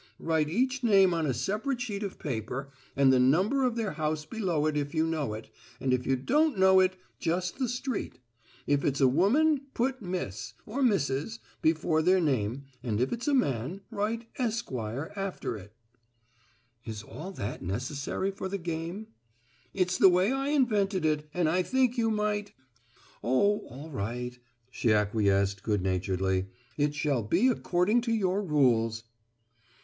Write each name on a separate sheet of paper, and the number of their house below it if you know it, and if you don't know it, just the street. If it's a woman: put `Miss' or `Mrs.' before their name and if it's a man write `Esquire' after it." "Is all that necessary for the game?" "It's the way I invented it and I think you might " "Oh, all right," she acquiesced, good naturedly. "It shall be according to your rules."